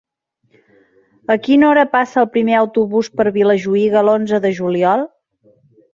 A quina hora passa el primer autobús per Vilajuïga l'onze de juliol?